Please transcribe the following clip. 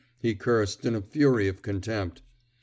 " He cursed in a fury of con tempt.